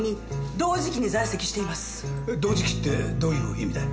同時期ってどういう意味だい？